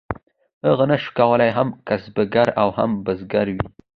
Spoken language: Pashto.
هغه نشو کولی هم کسبګر او هم بزګر وي.